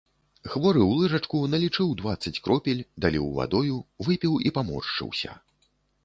Хворы ў лыжачку налічыў дваццаць кропель, даліў вадою, выпіў і паморшчыўся.